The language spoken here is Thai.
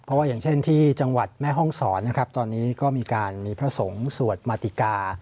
เพราะว่าอย่างเช่นที่จังหวัดแม่ห้องศรนะครับตอนนี้ก็มีการมีพระสงฆ์สวดมาติกา